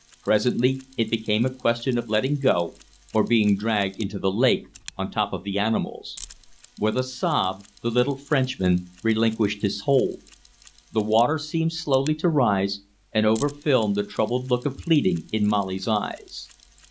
Presently it became a question of letting go or being dragged into the lake on top of the animals. With a sob the little Frenchman relinquished his hold. The water seemed slowly to rise and over film the troubled look of pleading in Molly's eyes.